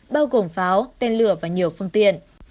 bao gồm pháo tên lửa và nhiều phương tiện